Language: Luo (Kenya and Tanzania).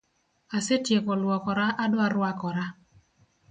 Asetieko luokora adwa rwakora